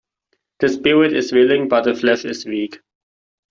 The spirit is willing but the flesh is weak.